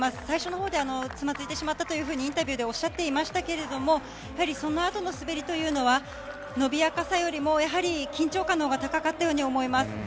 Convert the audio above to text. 最初のほうでつまずいてしまったとインタビューでおっしゃっていましたけどもそのあとの滑りは伸びやかさよりも緊張感のほうが高かったように思います。